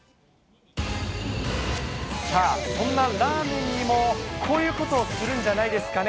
さあ、そんなラーメンにもこういうことをするんじゃないですかね、